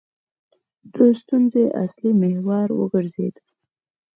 د ستونزې اصلي محور وګرځېد.